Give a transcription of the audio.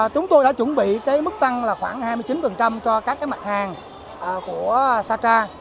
chúng tôi đã chuẩn bị mức tăng khoảng hai mươi chín cho các mặt hàng của sacha